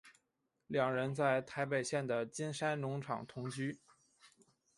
两人在台北县的金山农场同居。